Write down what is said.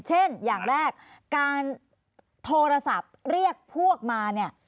เช่นอย่างแรกการโทรศัพท์เรียกพวกมา